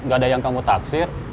gak ada yang kamu taksir